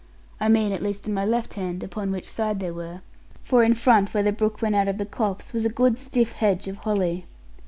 I mean at least on my left hand (upon which side they were), for in front where the brook ran out of the copse was a good stiff hedge of holly.